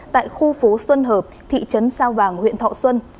tại khu phố xuân hợp thị trấn sao vàng huyện thọ xuân